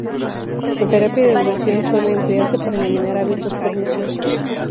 La terapia de aversión suele emplearse para eliminar hábitos perniciosos.